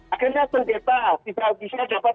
akhirnya sengketa tidak bisa dapat